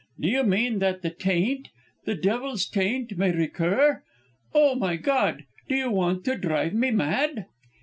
Do you mean that the taint, the devil's taint, may recur Oh, my God! do you want to drive me mad?"